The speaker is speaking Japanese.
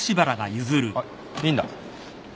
あっいいんだ。